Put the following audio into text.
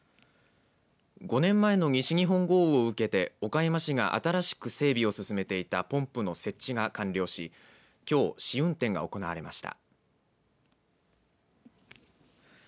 ５年前の西日本豪雨を受けて岡山市が新しく整備を進めていたポンプの設置が完了しきょう、試運転が行われました。